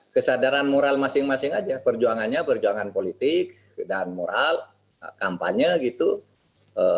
kesadaran moral masing masing aja perjuangannya perjuangan politik dan moral kampanye gitu